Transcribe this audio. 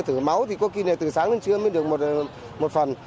thử máu thì có khi từ sáng đến trưa mới được một phần